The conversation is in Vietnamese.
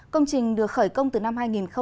công trình được khởi công từ năm hai nghìn một mươi